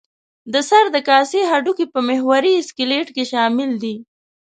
د سر د کاسې هډوکي په محوري سکلېټ کې شامل دي.